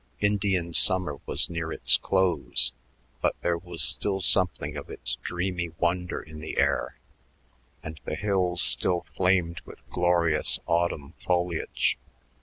Indian summer was near its close, but there was still something of its dreamy wonder in the air, and the hills still flamed with glorious autumn foliage.